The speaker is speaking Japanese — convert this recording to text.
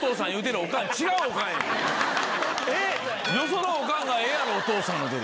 よそのおかんが「ええやろお父さん」って。